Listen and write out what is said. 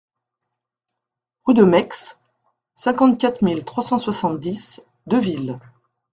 Rue de Maixe, cinquante-quatre mille trois cent soixante-dix Deuxville